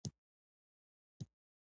دښتې په هنري اثارو کې منعکس کېږي.